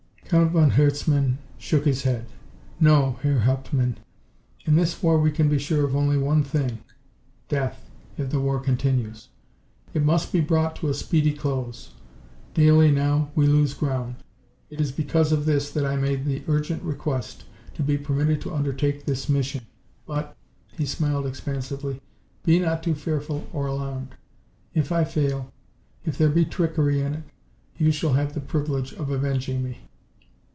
Count von Herzmann shook his head. "No, Herr Hauptmann, in this war we can be sure of only one thing death, if the war continues. It must be brought to a speedy close. Daily, now, we lose ground. It is because of this that I made the urgent request to be permitted to undertake this mission. But," he smiled expansively, "be not too fearful or alarmed. If I fail, if there be trickery in it, you shall have the privilege of avenging me."